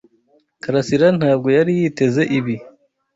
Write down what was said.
Karasira ntabwo yari yiteze ibi.